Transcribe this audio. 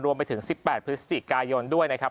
รวมไปถึง๑๘พฤศจิกายนด้วยนะครับ